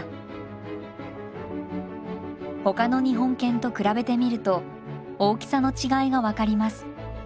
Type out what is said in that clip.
ほかの日本犬と比べてみると大きさの違いが分かります。